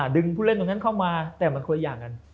ดึงผู้เล่นตรงนั้นเข้ามาแต่มันคนละอย่างกัน